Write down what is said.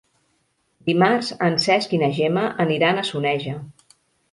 Dimarts en Cesc i na Gemma aniran a Soneja.